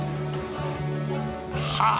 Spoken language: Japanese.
はあ